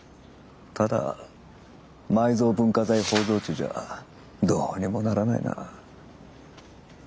ただ埋蔵文化財包蔵地じゃどうにもならないな。